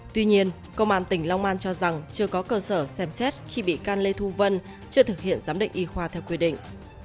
tuy nhiên công an tỉnh long an cho rằng chưa có cơ sở xem xét khi bị can lê thu vân chưa thực hiện giám định y khoa theo quy định